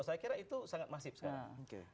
saya kira itu sangat masif sekarang